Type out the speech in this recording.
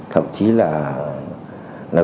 thậm chí là